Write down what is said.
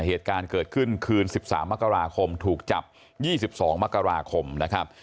เหตุการณ์เกิดขึ้นคืน๑๓มกราคมถูกจับ๒๒มกราคมนะครับ